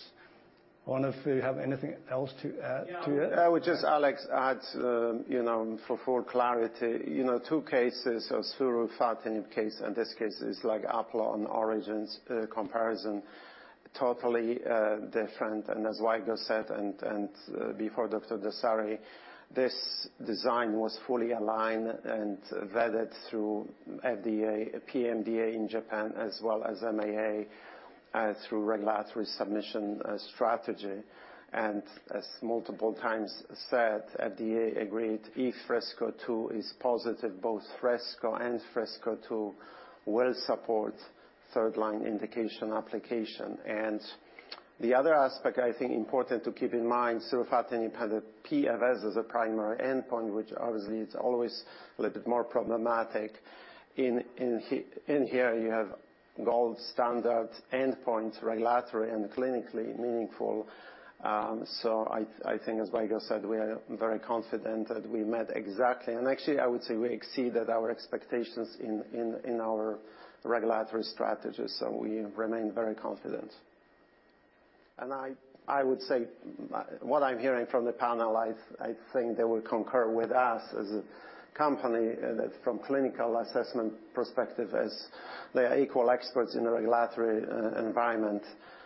I wonder if you have anything else to add to it.
Yeah. I would just, Alec, add, you know, for full clarity. You know, two cases of surufatinib case and this case is like apples and oranges comparison. Totally different. As Weiguo Su said and before Dr. Dasari, this design was fully aligned and vetted through FDA, PMDA in Japan as well as MAA through regulatory submission strategy. As multiple times said, FDA agreed if FRESCO-2 is positive, both FRESCO and FRESCO-2 will support third line indication application. The other aspect I think important to keep in mind, surufatinib had a PFS as a primary endpoint, which obviously is always a little bit more problematic. In here, you have gold standard endpoint, regulatory and clinically meaningful. I think as Weiguo Su said, we are very confident that we met exactly, and actually I would say we exceeded our expectations in our regulatory strategies. We remain very confident. I would say what I'm hearing from the panel, I think they would concur with us as a company that from clinical assessment perspective as they are equal experts in the regulatory environment.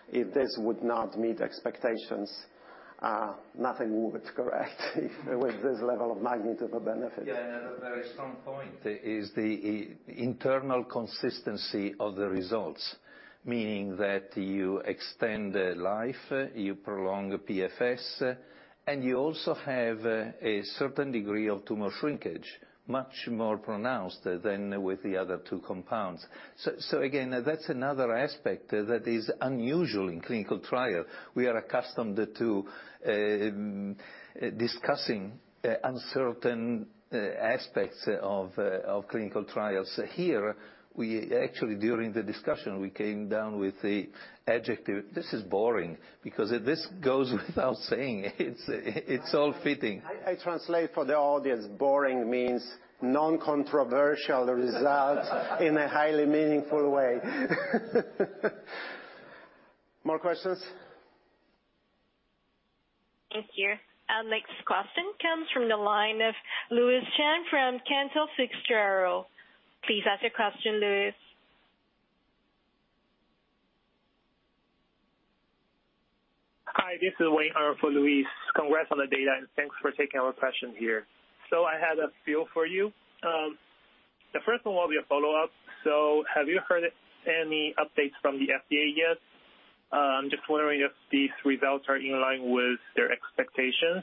If this would not meet expectations, nothing would, correct? With this level of magnitude of benefit.
Another very strong point is the internal consistency of the results, meaning that you extend the life, you prolong the PFS, and you also have a certain degree of tumor shrinkage, much more pronounced than with the other two compounds. Again, that's another aspect that is unusual in clinical trial. We are accustomed to discussing uncertain aspects of clinical trials. Here, we actually, during the discussion, we came up with the adjective, this is boring, because this goes without saying. It's all fitting.
I translate for the audience, boring means non-controversial results in a highly meaningful way. More questions?
Thank you. Our next question comes from the line of Louise Chen from Cantor Fitzgerald. Please ask your question, Louise.
Hi, this is Wayne Wu for Louise Chen. Congrats on the data, and thanks for taking our question here. I had a few for you. The first one will be a follow-up. Have you heard any updates from the FDA yet? I'm just wondering if these results are in line with their expectations.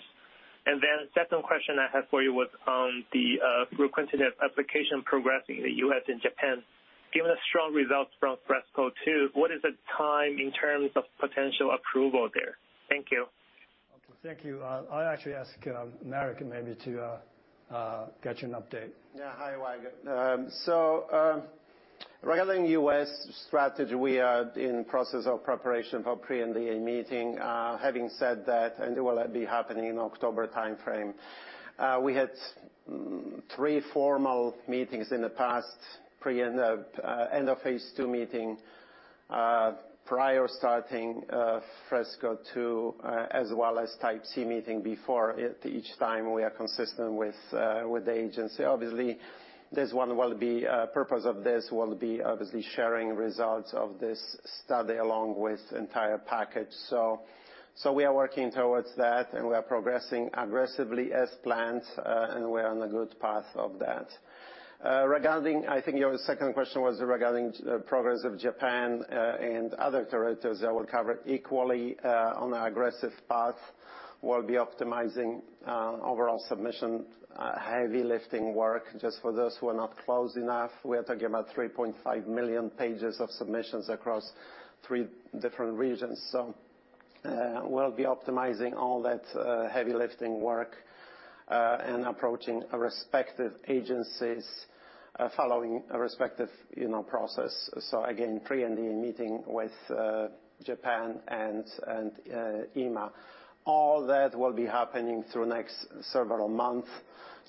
Then second question I had for you was on the fruquintinib application progressing in the U.S. and Japan. Given the strong results from FRESCO-2, what is the time in terms of potential approval there? Thank you.
Okay. Thank you. I'll actually ask Marek maybe to get you an update. Hi, Weiguo. So, regarding U.S. strategy, we are in process of preparation for pre-NDA meeting. Having said that, it will be happening in October timeframe. We had three formal meetings in the past, pre-IND and the end-of-phase 2 meeting prior starting FRESCO-2, as well as type C meeting before. At each time, we are consistent with the agency. Obviously, purpose of this will be obviously sharing results of this study along with entire package. So we are working towards that, and we are progressing aggressively as planned, and we're on a good path of that. Regarding, I think your second question was regarding progress of Japan, and other territories that we cover equally, on aggressive path. We'll be optimizing overall submission, heavy lifting work just for those who are not close enough. We are talking about 3.5 million pages of submissions across three different regions. We'll be optimizing all that, heavy lifting work, and approaching respective agencies, following a respective, you know, process. Again, prep and the meeting with Japan and EMA. All that will be happening through next several month.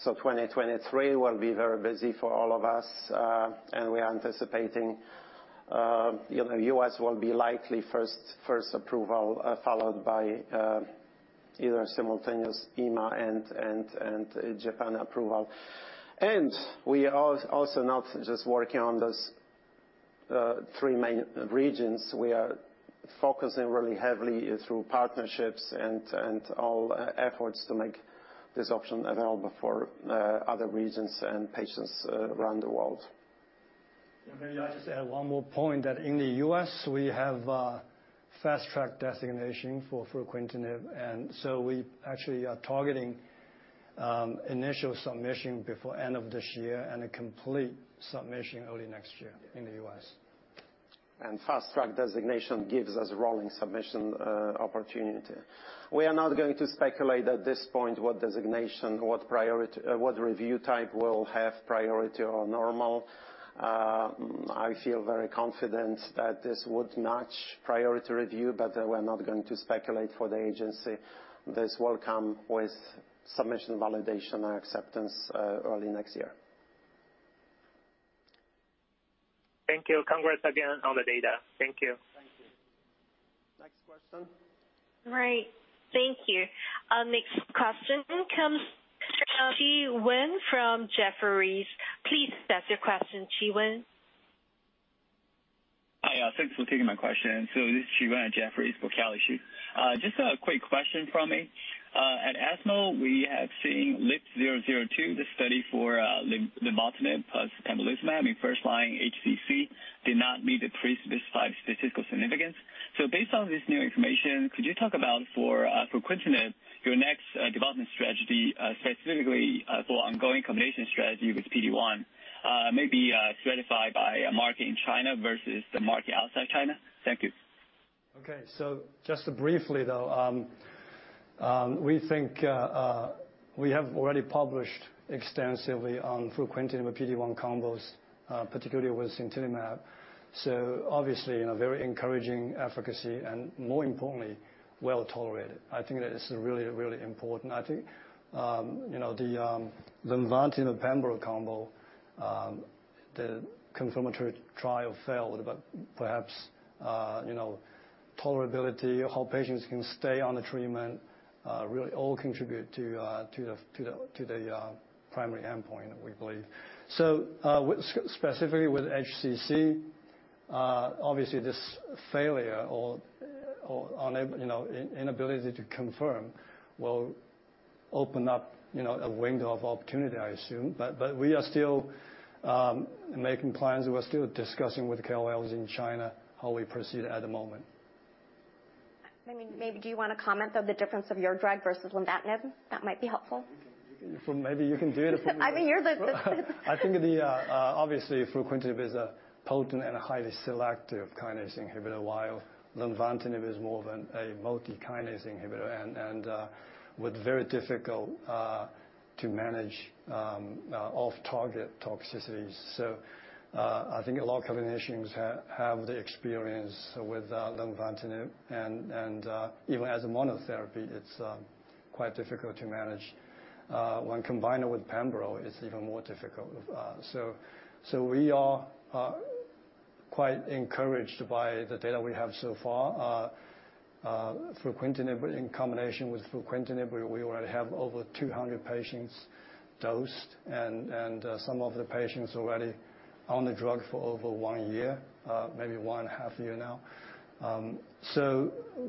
2023 will be very busy for all of us, and we are anticipating, you know, US will be likely first approval, followed by, either simultaneous EMA and Japan approval. We are also not just working on those three main regions. We are focusing really heavily through partnerships and all efforts to make this option available for other regions and patients around the world. Maybe I just add one more point that in the U.S., we have a Fast Track designation for fruquintinib, and so we actually are targeting initial submission before end of this year and a complete submission early next year in the U.S. Fast Track designation gives us rolling submission opportunity. We are not going to speculate at this point what designation, what review type will have priority or normal. I feel very confident that this would match priority review, but we're not going to speculate for the agency. This will come with submission validation and acceptance early next year.
Thank you. Congrats again on the data. Thank you.
Thank you. Next question.
Right. Thank you. Our next question comes from the line of Chi-Wen from Jefferies. Please state your question, Chi-Wen.
Hi, thanks for taking my question. This is Chi-Wen at Jefferies for Kali Shoe. Just a quick question from me. At ESMO, we have seen LEAP-002, the study for lenvatinib plus pembrolizumab in first-line HCC did not meet the pre-specified statistical significance. Based on this new information, could you talk about for fruquintinib, your next development strategy, specifically for ongoing combination strategy with PD-1, maybe stratified by market in China versus the market outside China? Thank you.
Okay. Just briefly though, we think we have already published extensively on fruquintinib with PD-1 combos, particularly with sintilimab. Obviously, you know, very encouraging efficacy and more importantly, well tolerated. I think that is really, really important. I think you know, the lenvatinib pembro combo, the confirmatory trial failed, but perhaps, you know, tolerability, how patients can stay on the treatment, really all contribute to the primary endpoint, we believe. Specifically with HCC, obviously this failure or inability to confirm will open up, you know, a window of opportunity, I assume. We are still making plans. We're still discussing with KOLs in China how we proceed at the moment.
I mean, maybe do you wanna comment on the difference of your drug versus lenvatinib? That might be helpful.
Maybe you can do it.
I mean, you're the.
I think obviously fruquintinib is a potent and highly selective kinase inhibitor, while lenvatinib is more of a multikinase inhibitor and with very difficult to manage off-target toxicities. I think a lot of combinations have the experience with lenvatinib and even as a monotherapy, it's quite difficult to manage. When combined with pembro, it's even more difficult. We are quite encouraged by the data we have so far. Fruquintinib in combination with pembro, we already have over 200 patients dosed and some of the patients already on the drug for over one year, maybe one half year now.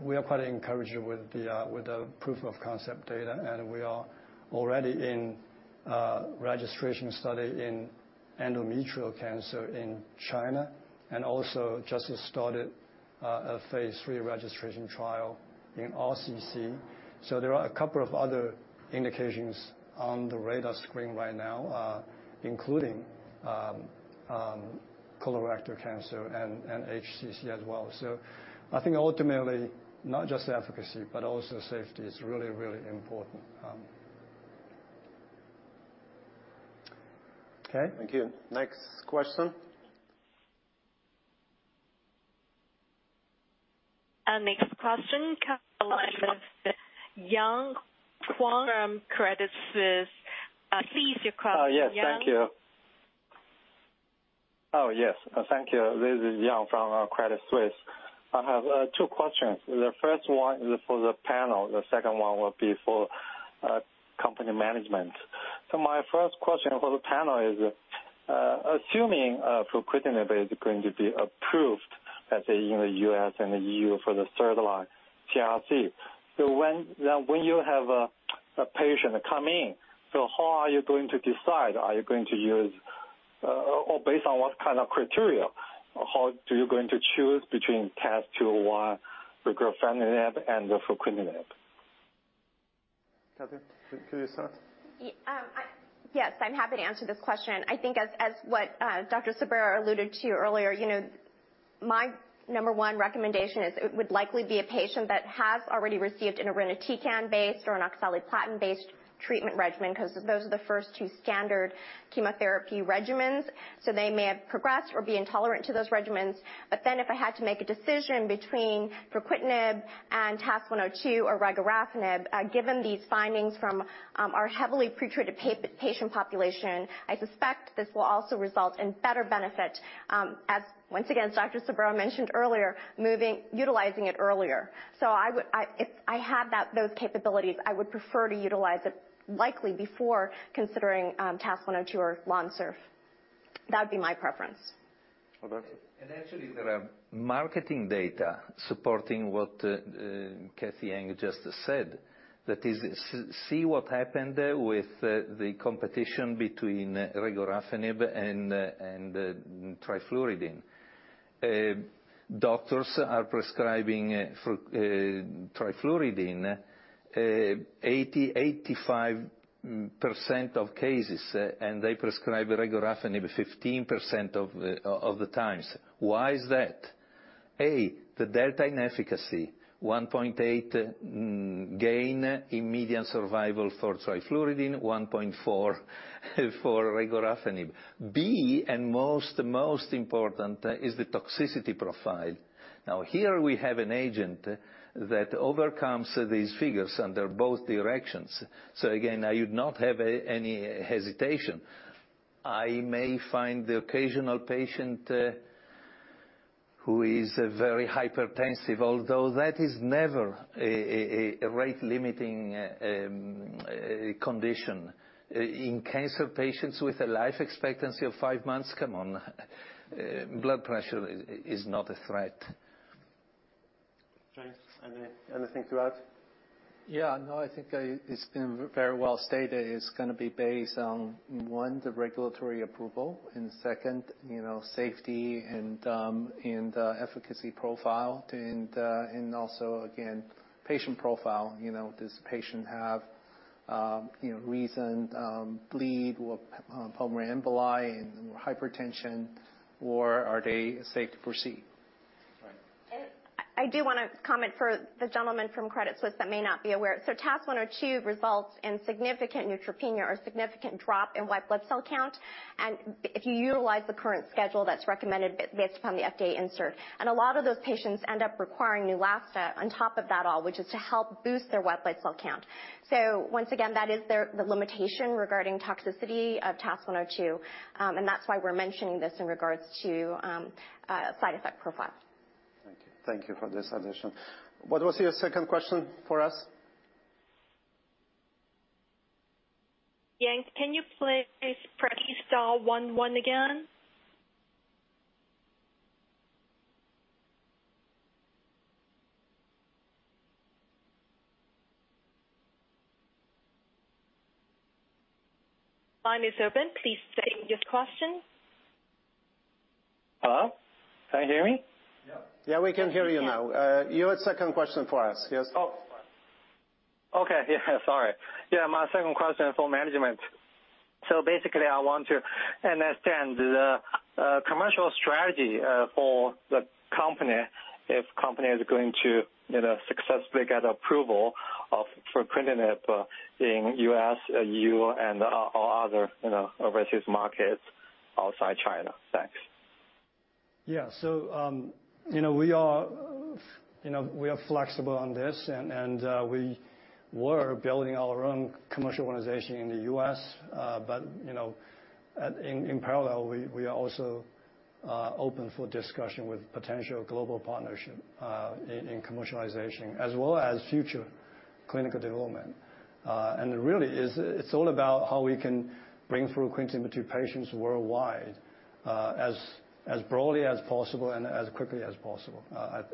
We are quite encouraged with the proof of concept data, and we are already in registration study in endometrial cancer in China, and also just started a phase 3 registration trial in RCC. There are a couple of other indications on the radar screen right now, including colorectal cancer and HCC as well. I think ultimately, not just the efficacy, but also safety is really, really important.
Thank you. Next question.
Next question comes from Yang Huang from Credit Suisse. Please state your question, Yang.
Yes, thank you. Yes. Thank you. This is Yang from Credit Suisse. I have two questions. The first one is for the panel, the second one will be for company management. My first question for the panel is, assuming fruquintinib is going to be approved, let's say in the US and the EU for the third-line CRC. When you have a patient come in, how are you going to decide? Are you going to use, or based on what kind of criteria, how do you going to choose between TAS-102, regorafenib, and the fruquintinib?
Cathy, could you start?
Yes, I'm happy to answer this question. I think as what Dr. Sobrero alluded to earlier, you know, my number one recommendation is it would likely be a patient that has already received an irinotecan-based or an oxaliplatin-based treatment regimen, 'cause those are the first two standard chemotherapy regimens. They may have progressed or be intolerant to those regimens. Then if I had to make a decision between fruquintinib and TAS 102 or regorafenib, given these findings from our heavily pretreated patient population, I suspect this will also result in better benefit, as once again, as Dr. Sobrero mentioned earlier, utilizing it earlier. If I had those capabilities, I would prefer to utilize it likely before considering TAS 102 or LONSURF. That'd be my preference.
Roberto.
Actually, there are marketing data supporting what Cathy Eng just said. That is, see what happened with the competition between regorafenib and trifluridine. Doctors are prescribing trifluridine 85% of cases, and they prescribe regorafenib 15% of the times. Why is that? A, the delta in efficacy, 1.8 gain in median survival for trifluridine, 1.4 for regorafenib. B, and most important is the toxicity profile. Now, here we have an agent that overcomes these figures under both directions. Again, I would not have any hesitation. I may find the occasional patient. Who is very hypertensive, although that is never a rate-limiting condition. In cancer patients with a life expectancy of five months, come on, blood pressure is not a threat.
Great. Arvind, anything to add?
Yeah, no, I think it's been very well stated. It's gonna be based on, one, the regulatory approval, and second, you know, safety and efficacy profile. also, again, patient profile. You know, does the patient have, you know, recent bleed or pulmonary emboli and hypertension or are they safe to proceed.
Right.
I do wanna comment for the gentleman from Credit Suisse that may not be aware. TAS-102 results in significant neutropenia or significant drop in white blood cell count. If you utilize the current schedule that's recommended based upon the FDA insert. A lot of those patients end up requiring Neulasta on top of that all, which is to help boost their white blood cell count. Once again, that is the limitation regarding toxicity of TAS-102, and that's why we're mentioning this in regards to side effect profile.
Thank you. Thank you for this addition. What was your second question for us?
Yang, can you please press star one one again? Line is open. Please state your question.
Hello, can you hear me?
Yeah.
Yeah, we can hear you now.
Yes, we can.
Your second question for us. Yes.
Okay, yeah, sorry. Yeah, my second question is for management. Basically, I want to understand the commercial strategy for the company if company is going to, you know, successfully get approval for fruquintinib in U.S., E.U. and other, you know, overseas markets outside China. Thanks.
Yeah. You know, we are flexible on this, and we were building our own commercial organization in the US, but you know, in parallel, we are also open for discussion with potential global partnership in commercialization, as well as future clinical development. It's all about how we can bring through fruquintinib to patients worldwide, as broadly as possible and as quickly as possible.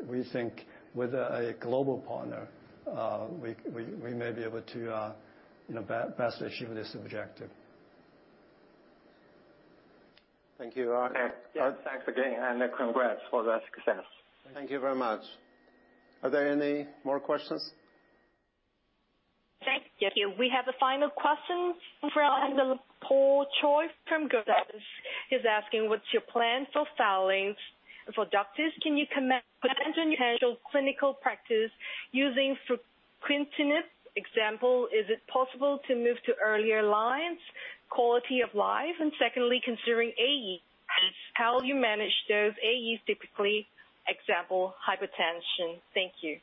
We think with a global partner, we may be able to you know, best achieve this objective.
Thank you.
Okay. Yeah, thanks again and congrats for the success.
Thank you very much. Are there any more questions?
Thank you. We have a final question from Paul Choi from Goldman Sachs. He's asking: What's your plan for filings for FDA? Can you comment on your potential clinical practice using fruquintinib? Example, is it possible to move to earlier lines, quality of life? And secondly, considering AEs, how you manage those AEs typically, example, hypertension. Thank you.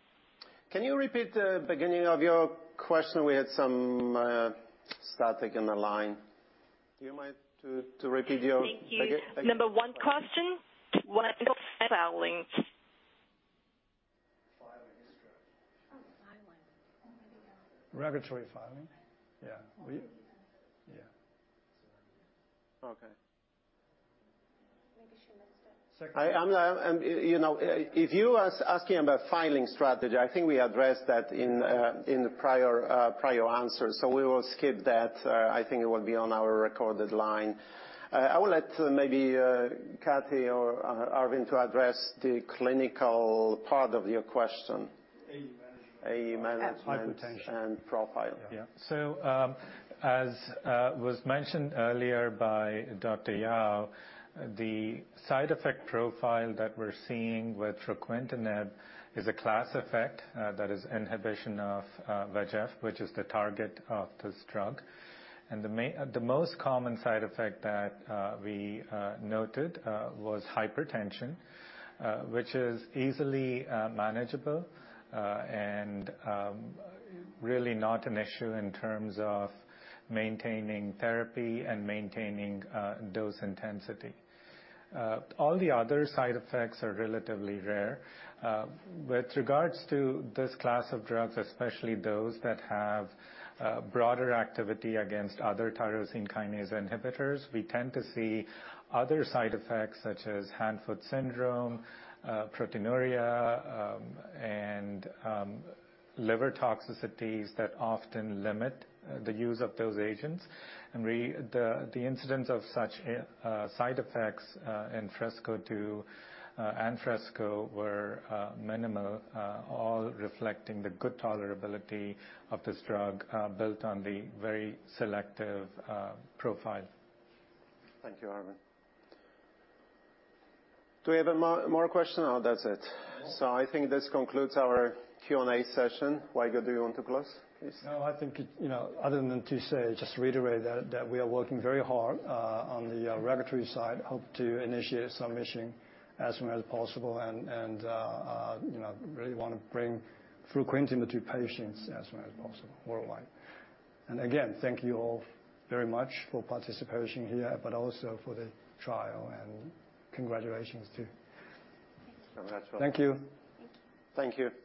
Can you repeat the beginning of your question? We had some static in the line. Do you mind to repeat your-
Thank you.
Again.
Number one question, what are your filings?
Filing strategy.
Oh, filing. Maybe.
Regulatory filing?
Right.
Yeah. Will you?
Maybe you can ask Arvind.
Yeah.
Sorry.
Okay.
Maybe she missed it.
Second-
You know, if you are asking about filing strategy, I think we addressed that in the prior answer, so we will skip that. I think it will be on our recorded line. I will let maybe Cathy or Arvind to address the clinical part of your question.
AE management.
AE management.
AE.
Hypertension
profile.
Yeah. As was mentioned earlier by Dr. Yao, the side effect profile that we're seeing with fruquintinib is a class effect, that is inhibition of VEGF, which is the target of this drug. The most common side effect that we noted was hypertension, which is easily manageable and really not an issue in terms of maintaining therapy and maintaining dose intensity. All the other side effects are relatively rare. With regards to this class of drugs, especially those that have broader activity against other tyrosine kinase inhibitors, we tend to see other side effects such as hand-foot syndrome, proteinuria, and liver toxicities that often limit the use of those agents. The incidence of such side effects in FRESCO-2 and FRESCO were minimal, all reflecting the good tolerability of this drug, built on the very selective profile.
Thank you, Arvind. Do we have one more question or is that it?
No.
I think this concludes our Q&A session. Weiguo, do you want to close, please?
No, I think it, you know, other than to say, just reiterate that we are working very hard on the regulatory side. Hope to initiate submission as soon as possible and you know, really wanna bring fruquintinib to patients as soon as possible worldwide. Again, thank you all very much for participation here, but also for the trial, and congratulations too.
Thanks.
Congratulations.
Thank you.
Thank you.
Thank you.